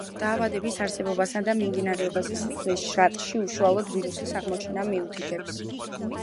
დაავადების არსებობასა და მიმდინარეობაზე სისხლის შრატში უშუალოდ ვირუსის აღმოჩენა მიუთითებს.